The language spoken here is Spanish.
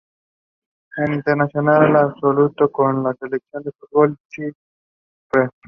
Es internacional absoluto con la selección de fútbol de Chipre.